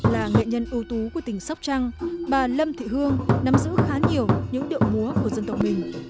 là nghệ nhân ưu tú của tỉnh sóc trăng bà lâm thị hương nắm giữ khá nhiều những điệu múa của dân tộc mình